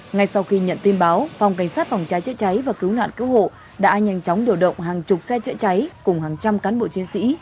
ngay sau khi nhận tin báo phòng cảnh sát phòng cháy chữa cháy và cứu nạn cứu hộ đã nhanh chóng điều động hàng chục xe chữa cháy cùng hàng trăm cán bộ chiến sĩ